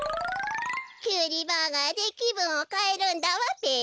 きゅうりバーガーできぶんをかえるんだわべ。